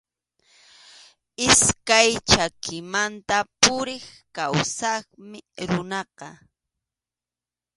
Iskay chakimanta puriq kawsaqmi runaqa.